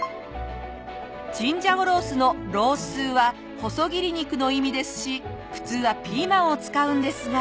チンジャオロースの「ロースー」は細切り肉の意味ですし普通はピーマンを使うんですが。